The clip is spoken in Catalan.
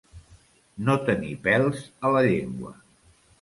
No tenir pèls a la llengua.